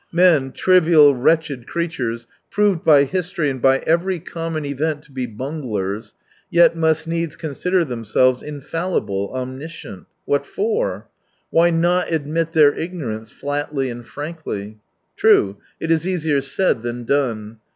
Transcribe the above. Men, trivial, wretched creatures, proved by history and by every common event to be bunglers, yet must needs consider them selves infallible, omiiiscient. What for ? Why not admit their ignorance flatly and frankly .? True, it is easier said than done.